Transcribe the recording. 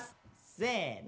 せの。